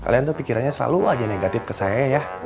kalian tuh pikirannya selalu wajar negatif ke saya ya